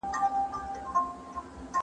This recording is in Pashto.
دا چې څوک و او له کومه و راغلی؟